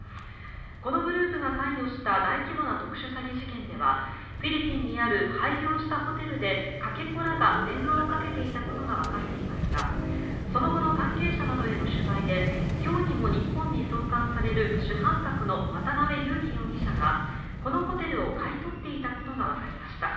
このグループが関与した大規模な特殊詐欺事件ではフィリピンにある廃業したホテルでかけ子らが電話をかけていたことがわかっていますがその後の関係者などへの取材で今日にも日本に送還される主犯格の渡邉優樹容疑者がこのホテルを買い取っていたことがわかりました。